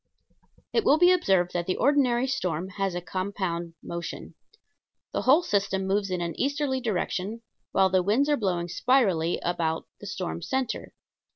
It will be observed that the ordinary storm has a compound motion. The whole system moves in an easterly direction, while the winds are blowing spirally about the storm center.